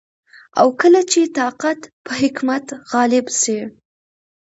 او کله چي طاقت په حکمت غالب سي